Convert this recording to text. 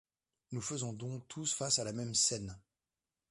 Nous faisons donc tous face à la même scène.